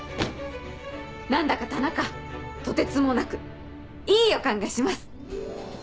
何だか田中とてつもなくいい予感がします！